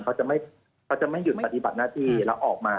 เขาจะไม่หยุดปฏิบัติหน้าที่แล้วออกมา